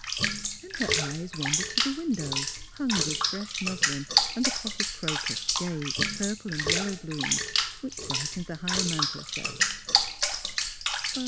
Then her eyes THE HILL FAMILY 59 wandered to the windows, hung with fresh muslin, and the pot of crocus, gay with purple and yellow blooms, which brightened the high mantel shelf.